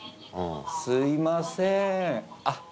すいませんあっ